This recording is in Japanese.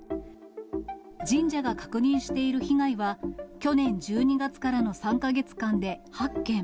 神社が確認している被害は、去年１２月からの３か月間で８件。